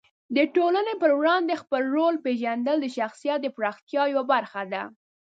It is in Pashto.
د ټولنې په وړاندې خپل رول پېژندل د شخصیت د پراختیا یوه برخه ده.